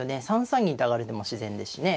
３三銀と上がる手も自然ですしね。